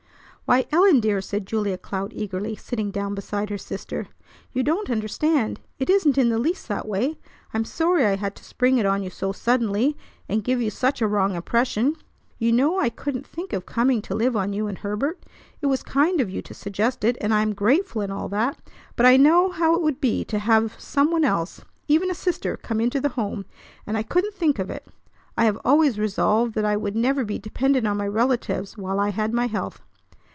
"Why, Ellen, dear!" said Julia Cloud eagerly, sitting down beside her sister. "You don't understand. It isn't in the least that way. I'm sorry I had to spring it on you so suddenly and give you such a wrong impression. You know I couldn't think of coming to live on you and Herbert. It was kind of you to suggest it, and I am grateful and all that; but I know how it would be to have some one else, even a sister, come into the home, and I couldn't think of it. I have always resolved that I would never be dependent on my relatives while I had my health."